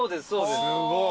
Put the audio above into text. すごい。